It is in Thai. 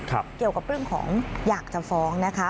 เกี่ยวกับเรื่องของอยากจะฟ้องนะคะ